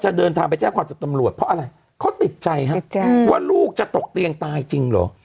เดินทางไปแจ้งความจับตำรวจเพราะอะไรเขาติดใจฮะว่าลูกจะตกเตียงตายจริงเหรอ